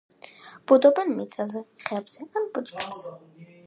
ბუდობენ მიწაზე, ხეებზე ან ბუჩქებზე.